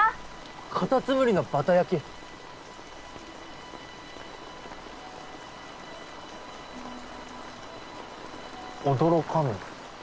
カタツムリのバタ焼き驚かんの？